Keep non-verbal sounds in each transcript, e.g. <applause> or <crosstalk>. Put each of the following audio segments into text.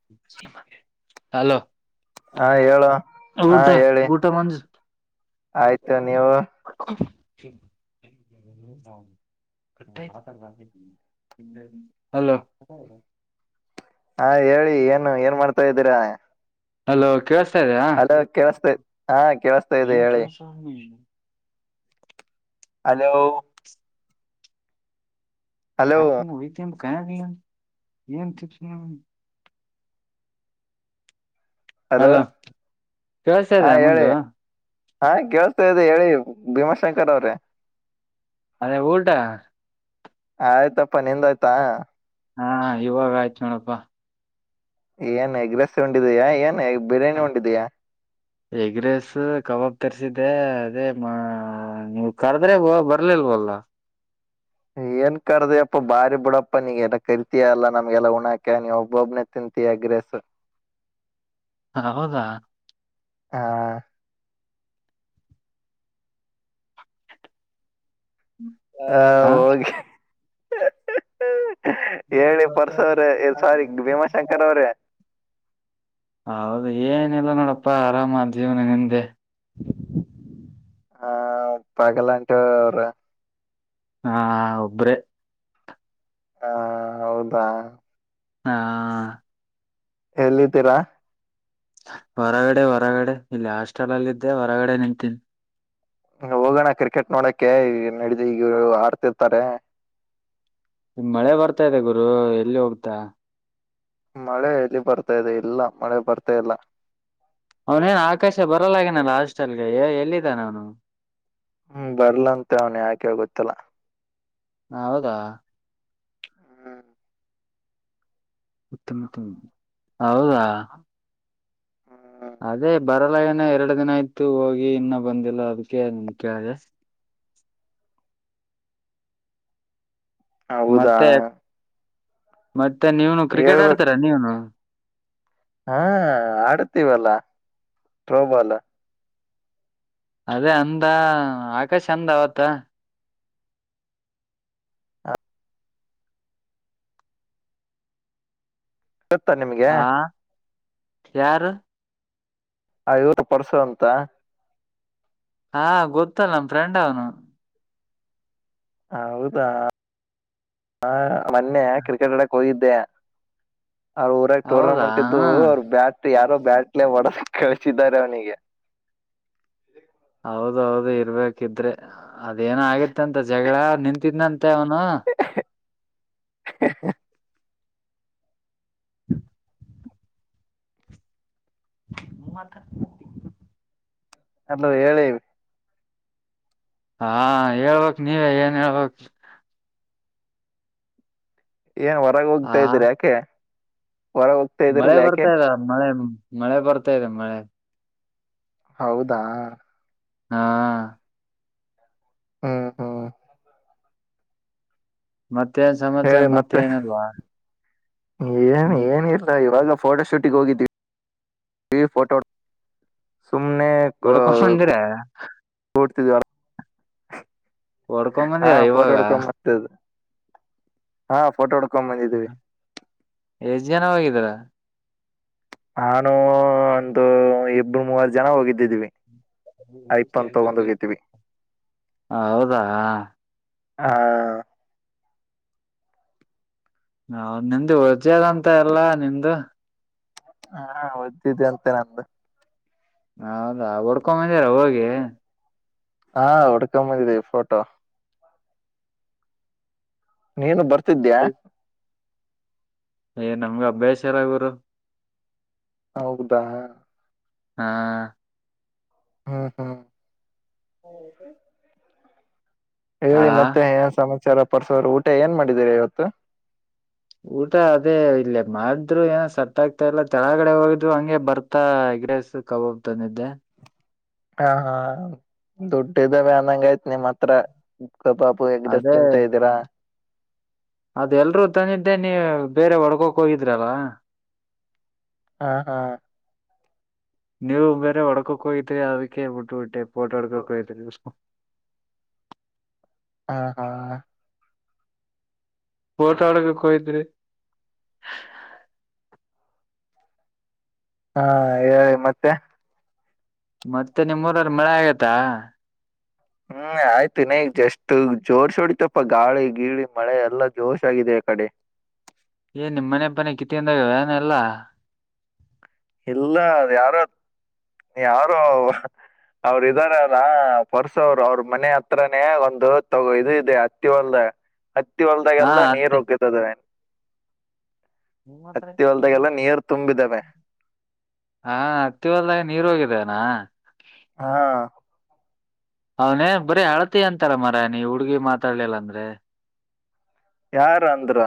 <unintelligible> ಹಾ ಹೇಳೋ ಹಾ ಊಟ ಹೇಳಿ ಊಟ ಮಂಜು ಆಯ್ತು ನೀವು <unintelligible> ಹಲೋ ಹಾ ಹೇಳಿ ಏನು ಏನ್ ಮಾಡ್ತಾ ಇದ್ದೀರಾ ಹಲೋ ಕೇಳಿಸ್ತಾ ಇದಿಯ ಕೇಳಸ್ತೇ ಹಾ ಕೇಳ್ಸ್ ಏನ್ ಕೇಳ್ <unintelligible> ಹಲೋ ಹಲೋ <unintelligible> ಹಲೋ ಕೇಳ್ಸ್ತಾ ಇದ ಹಾಂ ಹೇಳಿ ಮುಂದು ಹಾ ಕೇಳ್ಸ್ತಾ ಇದದೆ ಹೇಳಿ ಭೀಮಾಶಂಕರ್ ಅವ್ರೆ ಅದೇ ಊಟ ಆಯ್ತಪ್ಪ ನಿಂದಾಯಿತ ಹಾ ಇವಾಗ ಆಯ್ತು ನೋಡಪ್ಪಾ ಏನ್ ಎಗ್ರೆಸ್ ಉಂಡಿದಿಯಾ ಏನ್ ಬಿರಿಯಾನಿ ಉಂಡಿದಿಯಾ ಎಗ್ರೇಸ್ ಕಬಾಬ್ ತರಿಸಸಿದ್ದೆ ಅದೇ ನೀವು ಕರ್ದ್ರೆ ಬರ್ಲಿಲ್ವಲ್ಲ ಏನ್ ಕರ್ದಪ್ಪ ಬಾರಿ ಬಿಡಪ್ಪ ನೀಗೆಲ್ಲ ಕರಿತಿಯಯಲ್ಲ ನಮ್ಗೆಲ್ಲ ಉಣಾಕ್ಯ ನೀ ಒಬ್ಬೊಬ್ನೆ ತಿಂತೀಯಾ ಎಗ್ ರೈಸ್ಸು ಹೌದಾ ಹಾ ಹ್ಮ್ ಹಾ ಹೋಗಿ ಹೇಳಿ ಪರ್ಸ ಅವ್ರ ಸಾರಿ ಭೀಮಾಶಂಕರ್ ಅವ್ರೆ <inaudible> ಹೌದು ಏನಿಲ್ಲ ನೋಡಪ್ಪಾ ಆರಾಮ ಜೀವನ ನಿಂದೆ ಹ ಪಗಲಂಟ <unintelligible> ಹ ಒಬ್ರೆ ಹಾ ಹೌದಾ ಹಾ ಎಲ್ಲಿದ್ದೀರಾ ಹೊರಗಡೆ ಹೊರಗಡೆ ಇಲ್ಲಿ ಹಾಸ್ಟೆಲ್ ಅಲ್ಲಿ ಇದ್ದೆ ಹೊರಗಡೆ ನಿಂತೀನಿ ಹೋಗೋಣ ಕ್ರಿಕೆಟ್ ನೋಡಕ್ಕೆೆ ನಡಿದು ಈಗರು ಆಡ್ತಿರ್ತಾರೆ. ಮಳೆ ಬರ್ತಾ ಇದೆ ಗುರು ಎಲ್ಲಿ ಹೋಗ್ತಾ. ಮಳೆ ಎಲ್ಲಿ ಬರ್ತಾ ಇದೆ ಇಲ್ಲ ಮಳೆ ಬರ್ತಾ ಇಲ್ಲ. ಅವನೇನ್ ಆಕಾಶ ಬರಲ್ಲಾಗನಲ್ಲ ಹಾಸ್ಟೆಲ್ಗೆ ಎಲ್ಲಿದ್ದಾನ ಅವನು. ಹ್ಮ್ ಬರ್ಲಂತ ಅವ್ನ ಯಾಕೆ ಗೊತ್ತಿಲ್ಲ. ಹೌದಾ. ಹ್ಮ್ ಉತ್ತಮ ಹೌದಾ. ಹ್ಮ್ ಬರಲ್ಲ ಏನ ಎರಡು ದಿನ ಆಯ್ತು ಹೋಗಿ ಇನ್ನ ಬಂದಿಲ್ಲ ಅದಕ್ಕೆ ಕೇಳದೆ. ಹೌದಾ. ಮತ್ತೆ ಮತ್ತೆ ನೀವನು ಕ್ರಿಕೆಟ್ ಹೇಳ್ಬೇಕ್ ಆಡ್ತಾರಾ ನೀವನು. ಹಾ ಆಡ್ತೀವಲ್ಲ ಥ್ರೋ ಬಾಲು. ಅದೇ ಅಂದ ಆಕಾಶ್ ಅಂದ ಅವತ್ತ. ತ್ತ ನಿಮಿಗೆ. ಆ ಯಾರು. ಆ ಇವರು ಪರ್ಸು ಅಂತ. ಹಾ ಗೊತ್ತಲ್ಲ ನಮ್ ಫ್ರೆಂಡ್ ಅವನು. ಹೌದಾ ಆ ಮೊನ್ನೆ ಕ್ರಿಕೆಟ್ ಆಡಕ್ ಹೋಗಿದ್ದೆ. ಅವ್ರ ಊರಾಗ ಹೌದಾ ಟೂರ್ನಮೆಂಟ್ ಇದ್ದು ಹ ಅವರು ಬ್ಯಾಟ್ ಯಾರೋ ಬ್ಯಾಟ್ಲೆೇ ಹೊಡ್ದು ಕಳ್ಸಿದ್ದಾರೆ ಅವನಿಗೆ. ಹೌದೌದು ಇರ್ಬೇಕಿದ್ರೆ ಅದೇನ ಅಗಿತ್ ಅಂತೆ ಜಗಳ ನಿಂತಿದ್ನಂತೆ ಅವನು. <inaudible> ಹ ಹ್ಮ ಮತ್ತ. ಹೆಲೋ ಹೇಳಿ. ಹಾ ಹೇಳ್ಬಕ್ ನೀವೇ ಏನ್ ಹೇಳ್ಬಕ್. ಏನ್ ಹೊರಗೆ ಆ ಹೋಗ್ತಾ ಇದರಿ ಯಾಕೆ ಹೊರಗೆ ಹೋಗ್ ಮಳೆ ಬರ್ತಾ ಇದೆ ಮಳೆ ಮಳೆ ಬರ್ತಾ ಇದೆ ಮಳೆ. ಹೌದಾ. ಹಾ ಹ್ಮ್ ಹ್ಮ್ ಮತ್ತೇನ್ ಸಮಾಚಾರ ಹೇಳಿ ಮತ್ತೆ ಮತ್ತೇನಿಲ್ವ. ಏನ್ ಏನ ಇಲ್ಲ ಇವಾಗ ಫೋಟೋ ಶೂಟಿಗೆ ಹೋಗಿದ್ದೀವಿ. ಈ ಫೋಟೋ ಹೊಡ್ಕೋ ಸುಮ್ನೆ. ಹೊಡ್ಕೊ ಬಂದ್ರೆ. <unintelligible> ಹೊಡ್ಕೊಂಡ್ ಆ ಬಂದಿರ ಫೋಟೋ ಇವಾಗ ಹೊಡ್ಕೊಂಡು. ಹಾ ಫೋಟೋ ಹೊಡ್ಕೊಂಡ್ ಬಂದಿದ್ದೀವಿ. ಎಸ್ಟ್ ಜನ ಹೋಗಿದ್ದೀರಾ. ನಾನು ಒಂದು ಇಬ್ರು ಮೂವರು ಜನ ಹೋಗಿದ್ದಿದ್ವಿ. ಐಫೋನ್ ತಗೊಂಡ್ ಹೋಗಿದ್ವಿ ಹೌದಾ. ಹ ನಾ ನಿಮ್ದು ವರ್ಜದಂತ ಎಲ್ಲಾ ನಿಮ್ದು. ಹಾ ವಚ್ ಇದೆ ಅಂತೆ ನಂದು. ಹೌದಾ ಹೊಡ್ಕೊಂಬಂದಿರ ಹೋಗಿ. ಹ ಹೊಡ್ಕೋ ಬಂದಿದಿವಿ ಫೋಟೋ. ನೀನು ಬರ್ತಿದ್ದ್ಯಾ. ಏ ನಮ್ಗೆ ಅಭ್ಯಾಸ ಇಲ್ಲ ಗುರು. ಹೌದಾ ಹ ಹ್ಮ ಹ್ಮ್ ಹೌದು ಹೇಳಿ ಮತ್ತೆ ಏನ್ ಸಮಾಚಾರ ಪರ್ಸೋರು ಊಟ ಏನ್ ಮಾಡಿದ್ರಿ ಇವತ್ತು. ಊಟ ಅದೇ ಇಲ್ಲೇ ಮಾಡಿದ್ರು ಏನ ಸಟ್ ಆಗ್ತಾ ಇಲ್ಲ ತೆಳಗಡೆ ಹೋಗಿದ್ವು ಹಂಗೆ ಬರ್ ಮತ್ತ ಎಗ್ ರೈಸ್ ಕಬಾಬ್ ತಂದಿದ್ದೆ. ಹಾ ಹಾ ದುಡ್ಡಿದಾವ ಅನ್ನಂಗ್ ಆಯ್ತ್ ನಿಮ್ಮ್ ಹತ್ರ ಬ <unintelligible> ಫುಲ್ ಎಗ್ ರೈಸ್ ತಿಂತ ಇದಿರ. ಅದೆಲ್ರೂ ತಂದಿದ್ದೇ ನೀ ಬೇರೆ ಒಡ್ಕೋಕ್ ಹೋಗಿದ್ರಲ್ಲ. ಹಾ ಹಾ <inaudible> ನೀವು ಬೇರೆ ಹೊಡ್ಕಕ್ ಹೋಗಿತ್ರಿ ಅದಕ್ಕೆ ಬಿಟ್ಟುಬಟ್ಟೆ ಫೋಟೊ ಹುಡ್ಕಕ್ ಹೋಯಿತ್ರಿ <unintelligible> ಹಾ ಹಾ ಫೋಟ ಹೊಡಿಲಿಕ್ ಹೋಗಿದ್ರಿ. ಹಾ ಹೇಳಿ ಮತ್ತೆ ಮತ್ತೆ ನಿಮ್ಮುರಲ್ ಮಳೆ ಆಗೈತಾ. ಹ್ಮ್ ಆಯ್ತು ಇನ್ನ ಈಗ್ ಜಸ್ಟ್ ಜೋರ್ ಸೋಡಿತಪ್ಪ ಗಾಳಿ ಗೀಳಿ ಮಳೆ ಎಲ್ಲಾ ಜೋಶ್ ಆಗಿದೆ ಆ ಕಡಿ. ಏನ್ ನಿಮ್ ಮನೆ ಪನೆ ಕಿತ್ಕೊಂಡ್ ಹೋಗ್ಯಾದಾ ಅನೆಲ್ಲ. ಇಲ್ಲ ಅವ್ ಯಾರೋ ಯಾರೋ ಹ್ ಅವರು ಇದ್ದಾರಲ್ಲ ಪರ್ಸು ಅವರು ಅವ್ರ ಮನೆ ಹತ್ರನೇ ಒಂದು ತಗೋ ಇದು ಇದೆ ಹತ್ತಿ ಹೊಲ್ದ ಹತ್ತಿ ಹಾ ಹೊಲ್ದಾಗೆಲ್ಲ ನೀರ್ ಅತ್ತೆ ನುಗ್ಗಿತ್ತದೆ. ಹತ್ತಿ ಹೊಲ್ದಾಗೆಲ್ಲ ನೀರ್ ತುಂಬಿದಾವೆ. ಹಾ ಹತ್ತಿ ಹೊಲ್ದಾಗ ನೀರ್ ಹೋಗಿದೆನಾ ಹಾ ಅವನೇ ಬರೀ ಅಳತಿ ಅಂತಾರ ಮರೆಯ್ ನೀ ಹುಡ್ಗಿ ಮಾತಾಡ್ಲಿಲ್ಲ ಅಂದ್ರೆ. ಯಾರ್ ಅಂದ್ರು.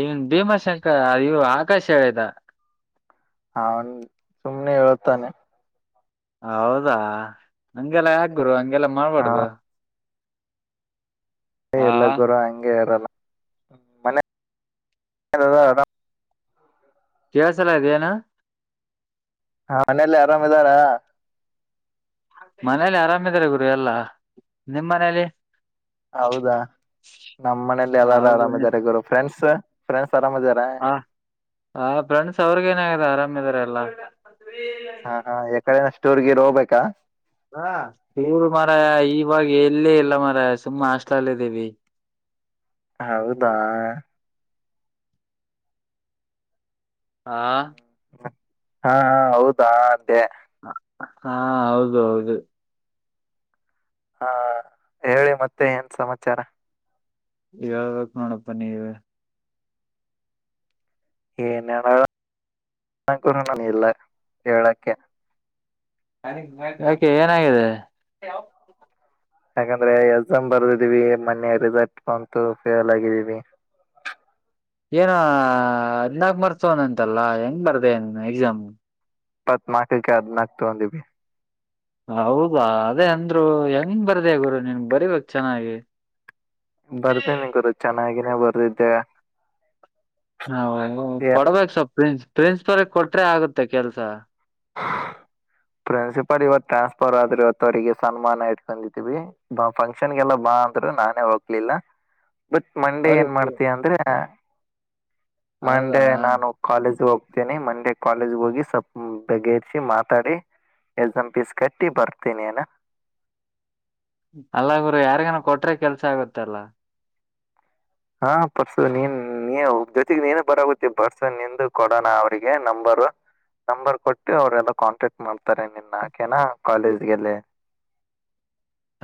ಇವನ್ ಭೀಮಾಶಂಕರ್ ಇವು ಆಕಾಶ ಹೇಳಿದ. ಹಾ ರಿ ಸುಮ್ನೆ ಹೇಳ್ತಾನೆ. ಹೌದಾ ನಂಗೆಲ್ಲ ಯಾಕ್ ಗುರು ಹಂಗೆಲ್ಲ ಹಾ ಮಾಡ್ಬಾರ್ದು. ಆ ಎಲ್ಲ ಗುರು ಹಂಗೆ ಇರಲ್ಲ ಮನೆ <unintelligible> ಕೇಳ್ಸಲ ಅದ್ ಏನು. ಹಾ ಮನೆಲ್ಲಿ ಆರಾಮ್ ಇದಾರ ಮನೇಲಿ ಆರಾಮಿದ್ದಾರೆ ಗುರು ಎಲ್ಲಾ ನಿಮ್ಮ್ ಮನೇಲಿ. ಹೌದಾ ನಮ್ಮ್ ಮನೆಲಿ ಹ ಎಲ್ಲಾರು ಹೌದು ನಿಮ್ ಆರಾಮಿದ್ದಾರೆ ಗುರು ಫ್ರೆಂಡ್ಸ್ ಫ್ರೆಂಡ್ಸ್ ಆರಾಮಿದಾರ. ಹ ಹ ಫ್ರೆಂಡ್ಸ್ ಅವ್ರಿಗ್ ಏನ್ ಆಗ್ಯದ ಆರಾಮಿದ್ದಾರೆ ಎಲ್ಲ. ಹಾ ಹಾ ಯಕಡೆನ ಸ್ಟೋರ್ ಗೀರ್ ಹೋಗ್ಬೇಕಾ. ಹ ಇವರು ಮರಯ ಇವಾಗ ಎಲ್ಲೇ ಇಲ್ಲ ಮರಯ ಸುಮ್ಮ್ ಹಾಸ್ಟ್ಲಲ್ ಇದೀವಿ. ಹೌದಾ ಹಾ ಹಾ ಹೌದಾ ಅಂದೆ ಹಾ ಹೌದು ಹೌದು. ಹಾ ಹೇಳಿ ಮತ್ತೆ ಏನ್ ಸಮಾಚಾರ. ಹೇಳ್ಬೇಕ್ ನೋಡಪ್ಪಾ ನೀವೆ. ಏನ್ ಹೇಳನ <unintelligible> ಕೂರುನು ಇಲ್ಲ ಹೇಳಕ್ಕೆ. <unintelligible> ಯಾಕೆ ಏನಾಗಿದೆ? ಯಾಕಂದ್ರೆ ಎಕ್ಸಾಮ್ ಬರ್ದಿದೀವಿ, ಮನ್ನೆ ರಿಸಲ್ಟ್ ಬಂತು ಫೇಲ್ ಆಗಿದ್ದೀವಿ. ಏನ ಹದ್ನಾಕ್ ಮಾರ್ಕ್ಸೋನಂತಲಾ, ಹೆಂಗ್ ಬರ್ದೆ ಎಕ್ಸಾಮ್? ಇಪ್ಪತ್ನಾಲ್ಕಕ್ಕೆ ಹದ್ನಾಲ್ಕು ತಗಂದೀವಿ. ಹೌದಾ ಅದೇ ಅಂದ್ರು ಹೆಂಗ ಬರ್ದೆ ಗುರು ನಿನ್ ಬರಿಬೇಕ್ ಚೆನ್ನಾಗಿ. ಬರ್ದೇನಿ ಗುರು ಚೆನ್ನಾಗಿನೇ ಬರ್ದಿದ್ದೆ. ಹ ಕೊಡ್ಬೇಕಕ್ ಸ ಪ್ರಿನ್ಸ್ ಪ್ರಿನ್ಸ್ ಓರ್ಗೆ ಕೊಟ್ರೆ ಆಗುತ್ತೆ ಕೆಲ್ಸ. ಹ ಪ್ರಿನ್ಸಿಪಾಲ್ ಇವತ್ ಟ್ರಾನ್ಸ್ಫರ್ ಆದ್ರು ಇವತ್ತ, ಅವರಿಗೆ ಸನ್ಮಾನ ಇಟ್ಕೊಂಡಿದಿವಿ. ಬಾ ಫಂಕ್ಷನ್ಗೆಲ್ಲ ಬಾ ಅಂದ್ರು ನಾನೇ ಹೋಗ್ಲಿಲ್ಲ. ಬಟ್ ಮಂಡೇ ಏನ್ ಅವ್ರಿಗ್ ಮಾಡ್ತಿಯ ಅಂದ್ರೆ ಹೌದಾ ಮಂಡೆ ನಾನು ಕಾಲೇಜ್ ಹೋಗ್ತಿನಿ, ಮಂಡೆ ಕಾಲೇಜ್ ಹೋಗಿ ಸಪ್ ಬಗೆಹರಿಸಿ ಮಾತಾಡಿ ಎಕ್ಸಾಂ ಫೀಸ್ ಕಟ್ಟಿ ಬರ್ತೀನಿ ನ ಅಲ್ಲ ಗುರು ಯಾರಿಗನ ಕೊಟ್ರೆ ಕೆಲ್ಸ ಆಗತ್ತಲ್ಲಾ. ಹಾ ಪರ್ಸ ನೀನ್ ನೀ ಜೊತೆಗ್ ನೀನು ಬರಾಗುತ್ತಿ ಪರ್ಸ ನಿಂದು ಕೊಡೋಣ ಅವ್ರಿಗೆ ನಂಬರ್. ನಂಬರ್ ಕೊಟ್ಟು ಅವರೆಲ್ಲ ಕಾಂಟ್ಯಾಕ್ಟ್ ಮಾಡ್ತಾರೆ, ನಿನ್ನ ಆಕೆನಾ ಕಾಲೇಜ್ಗೆಲ್ಲಿ.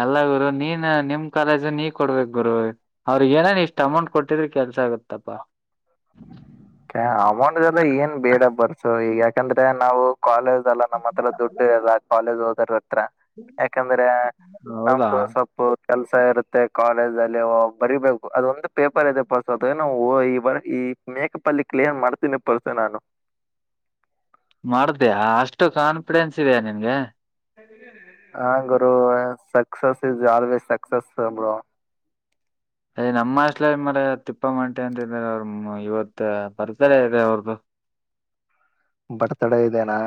ಅಲ್ಲ ಗುರು ನೀನ್, ನಿಮ್ ಕಾಲೇಜ್, ನೀ ಕೊಡ್ಬೇಕ್ ಗುರು. ಅವ್ರಿಗೆ ಏನನ ಇಷ್ಟ್ ಅಮೌಂಟ್ ಕೊಟ್ಟಿದ್ರ ಕೆಲ್ಸ ಆಗತ್ತಪ್ಪಾ. ಅಮೌಂಟ್ದೆಲ್ಲ ಏನ್ ಬೇಡ ಪರ್ಸು, ಈಗ ಯಾಕಂದ್ರೆ ನಾವು ಕಾಲೇಜ್ ಲ್ಲ ನಮ್ಮ ಹತ್ರ ದುಡ್ಡು ಇಲ್ಲ, ಕಾಲಜ್ ಹೋಗೊರ ಹತ್ರ. ಯಾಕಂದ್ರೆ ಹೌದಾ ನಮ್ದು ಸ್ವಲ್ಪು ಕೆಲ್ಸ ಇರುತ್ತೆ ಕಾಲೇಜ್ ಅಲ್ಲಿ ಬರಿಬೇಕು, ಅದೊಂದು ಪೇಪರ್ ಇದೆ ಪರ್ಸು ಅದೇನೊ ಈ ಬಾರಿ ಈ ಮೇಕಪ್ ಅಲ್ಲಿ ಕ್ಲಿಯನ್ ಮಾಡ್ತೀನಿ ಪರ್ಸು ನಾನು. ಮಾಡ್ತಿಯಾ ಅಷ್ಟು ಕಾನ್ಫಿಡೆನ್ಸ್ ಇದೆಯಾ ನಿನ್ಗೆ? <unintelligible> ಹ ಗುರು success is always success bro. ಅಯ್ ನಮ್ಮ ಹಾಸ್ಟಲ್ಲಿ ಮರಯ ತಿಪ್ಪಮ್ಮಂಟಿ ಅಂತ ಇದಾರೆ, ಇವತ್ ಬರ್ತಡೆ ಇದೆ ಅವ್ರ್ದು. ಬರ್ತ್ಡೇ ಇದೇನಾ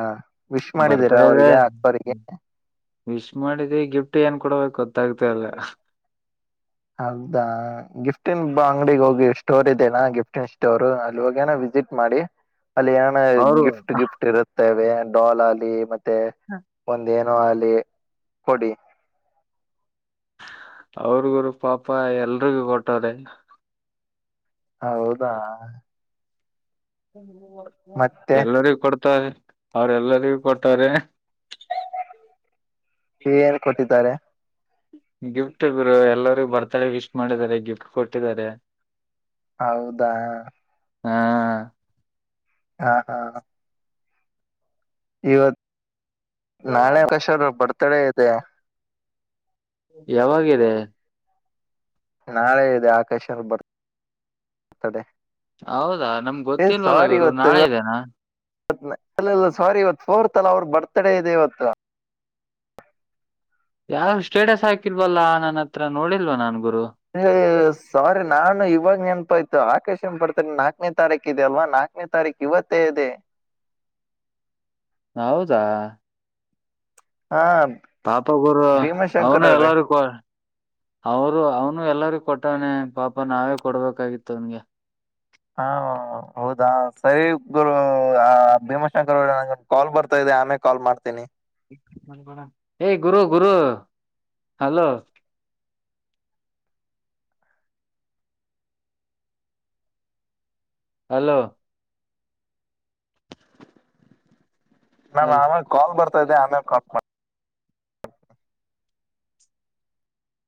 ವಿಶ್ ಮಾಡಿದೀರಾ ಬರ್ತ್ಡೇ ಇದೆ ಅವ್ರಿಗೆ ಅಕ್ಕೋರಿಗೆ. ವಿಶ್ ಮಾಡಿದೆ ಗಿಫ್ಟ್ ಏನ್ ಕೊಡಬೇಕು ಗೊತ್ತಾಗ್ತ ಇಲ್ಲ. ಹೌದಾ ಗಿಫ್ಟನ್ ಅಂಗಡಿಗೆ ಹೋಗಿ ಸ್ಟೋರ್ ಇದೆೇನಾ ಗಿಫ್ಟನ್ ಸ್ಟೋರ್ ಅಲ್ಲಿ ಹೋಗೇನ ವಿಸಿಟ್ ಮಾಡಿ ಅಲ್ಲಿ ಏನ ಅವರು ಗಿಫ್ಟ್ ಗಿಫ್ಟ್ ಇರುತ್ತೇವೆ ಡೋಲ್ ಅಗ್ಲಿ, ಮತ್ತೆ ಒಂದೇನ ನ ಅಲ್ಲಿ ಕೊಡಿ ಅವ್ರಗುರು ಪಾಪ ಎಲ್ರಿಗೂ ಕೊಟ್ಟಾರೆ. ಹೌದಾ ಮತ್ತೆ ಎಲ್ಲರಿಗ ಕೊಡ್ತಾರೆ ಅವ್ರ ಎಲ್ಲರಿಗೂ ಕೊಟ್ಟೋರೆ. ಏನ್ ಕೊಟ್ಟಿದ್ದಾರೆ? ಗಿಫ್ಟ್ ಗುರು, ಎಲ್ಲರಿಗು ಬರ್ತ್ಡೆ ವಿಶ್ ಮಾಡಿದ್ದಾರೆ ಗಿಫ್ಟ್ ಕೊಟ್ಟಿದ್ದಾರೆ. ಹೌದಾ ಹಾ ಹಾ ಹಾ ಇವತ್ ನಾಳೆ ಅಕಶದು ಬರ್ತ್ಡೇ ಇದೆ. ಯಾವಾಗಿದೆ? ನಾಳೆ ಇದೆ ಆಕಾಶಂದು ಬರ್ ತಡೆ. ಹೌದಾ ನಮ್ಗ್ ಗೊತ್ತಿಲ್ವಲ್ಲ ಗುರು ನಾಳೆ ಇದೇನಾ? ಅಲ್ಲಲ್ಲ ಸಾರಿ ಇವತ್ ಫೋರ್ತಲ್ಲ ಅವ್ರ ಬರ್ತ್ಡೇ ಇದೆ ಇವತ್ತು. ಯಾವು ಸ್ಟೇಟಸ್ ಹಾಕಿಲ್ವಲ್ಲಾ ನನ್ನ ಹತ್ರ ನೋಡಿಲ್ವ ನಾನ್ ಗುರು ಸಾರಿ ನಾನು ಇವಾಗ ನೆನಪಾಯ್ತು ಆಕಾಶ ಬರ್ತಡೇ ನಾಲ್ಕನೇ ತಾರೀಕ ಇದೆ ಅಲ್ವಾ ನಾ ನೇ ತಾರೀಕು ಇವತ್ತೇ ಇದೆ ಹೌದಾ ಹಾ ಪಾಪಾ ಗುರು ಅವನು ಭೀಮಾಶಂಕರ್ ಅವ್ರೆ ಎಲ್ಲಾದಕ್ಕ ಅವರು ಅವನು ಎಲ್ಲಾರ ಕೊಟ್ಟವಾನೆ ಪಾಪ ನಾವೇ ಕೊಡ್ಬೇಕಾಗಿತ್ತು ಅವನ್ಗೆ ಹಾ ಹೌದಾ ಸರಿ ಗುರು ಅ ಕಾಲ್ ಬರ್ತಾ ಇದೆ ಆಮೇಲೆ ಕಾಲ್ ಮಾಡ್ತೀನಿ ಏ ಗುರು ಗುರು ಹಲೋ ಹಲೋ ನಮ್ ಹಲ್ ಆಮೇಲೆ ಕಾಲ್ ಬರ್ತಾದೆ ಆಮೇಲೆ ಕಾಲ್